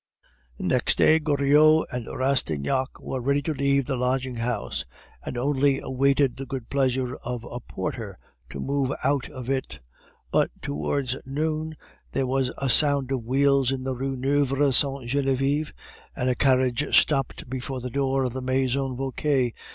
Next day, Goriot and Rastignac were ready to leave the lodging house, and only awaited the good pleasure of a porter to move out of it; but towards noon there was a sound of wheels in the Rue Neuve Sainte Genevieve, and a carriage stopped before the door of the Maison Vauquer.